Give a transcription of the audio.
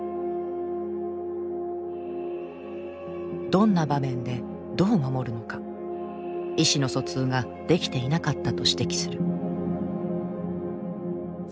どんな場面でどう守るのか意思の疎通ができていなかったと指摘する。